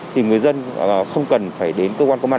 thì người dân không cần phải đến cơ quan công an